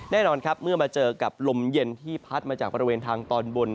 แน่นอนครับเมื่อมาเจอกับลมเย็นที่พัดมาจากบริเวณทางตอนบน